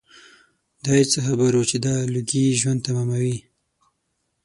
دای څه خبر و چې دا لوګي یې ژوند تماموي.